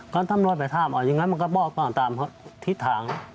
ก็ทำรวจไปท่ามอย่างนั้นมันก็บอกตามทิศทาง